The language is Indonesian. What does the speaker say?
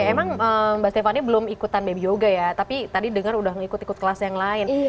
emang mbak stephani belum ikutan baby yoga ya tapi tadi dengar udah ngikut ikut kelas yang lain